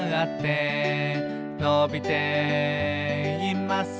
「のびています」